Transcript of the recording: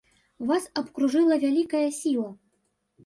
Вас абкружыла вялікая сіла.